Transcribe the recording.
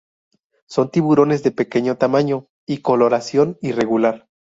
Son tiburones de pequeño tamaño y coloración irregular.